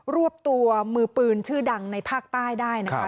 รวบตัวมือปืนชื่อดังในภาคใต้ได้นะคะ